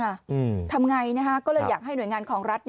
ทำอย่างไรก็เลยอยากให้หน่วยงานของรัฐ